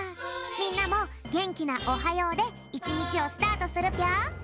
みんなもげんきな「おはよう」でいちにちをスタートするぴょん。